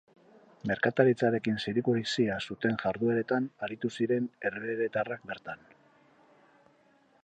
Merkataritzarekin zerikusia zuten jardueretan aritu ziren herbeheretarrak bertan.